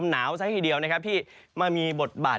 เอางกายเวลาที่เดียวที่ไม่มีบทบาท